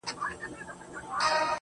o خټي کوم.